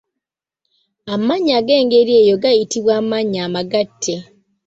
Amannya ag’engeri eyo gayitibwa amannya amagatte.